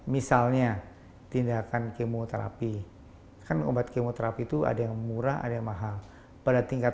misalnya tindakan kemoterapi kan obat kemoterapi itu ada yang murah ada yang mahal pada tingkat